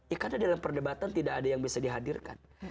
ya karena dalam perdebatan tidak ada yang bisa dihadirkan